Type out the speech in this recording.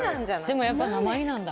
でもやっぱなまりなんだ。